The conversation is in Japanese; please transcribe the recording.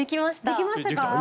できましたか？